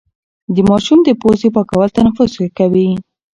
د ماشوم د پوزې پاکول تنفس ښه کوي.